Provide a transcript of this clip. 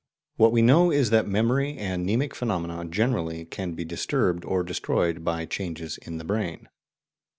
What we know is that memory, and mnemic phenomena generally, can be disturbed or destroyed by changes in the brain.